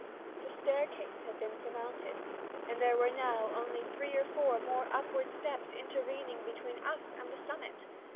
The staircase had been surmounted, and there were now only three or four more upward steps intervening between us and the summit.